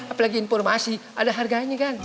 apalagi informasi ada harganya kan